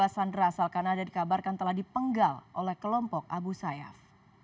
tiga sandera asal kanada dikabarkan telah dipenggal oleh kelompok abu sayyaf